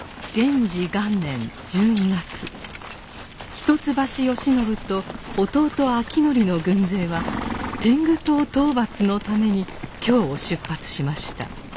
一橋慶喜と弟昭徳の軍勢は天狗党討伐のために京を出発しました。